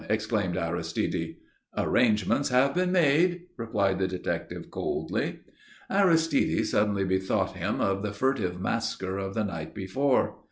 exclaimed Aristide. "Arrangements have been made," replied the detective coldly. Aristide suddenly bethought him of the furtive masquer of the night before.